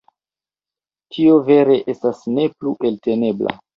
Tio vere estas ne plu eltenebla.